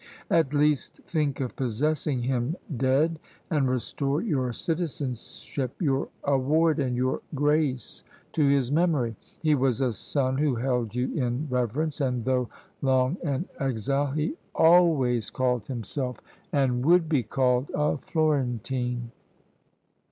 At least think of possessing him dead, and restore your citizenship, your award, and your grace, to his memory. He was a son who held you in reverence, and though long an exile, he always called himself, and would be called a Florentine!